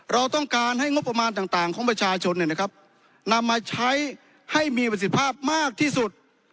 เราต้องการให้งบประมาณต่างของประชาชนนำมาใช้ให้มีประสิทธิภาพมากที่สุด